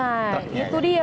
nah itu dia